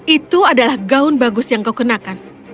itu adalah gaun bagus yang kau kenakan